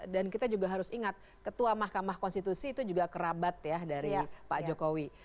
dan kita juga harus ingat ketua mahkamah konstitusi itu juga kerabat ya dari pak jokowi